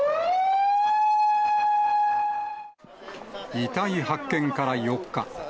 遺体発見から４日。